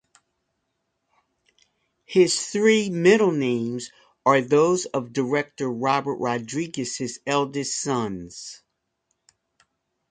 His three middle names are those of director Robert Rodriguez's eldest sons.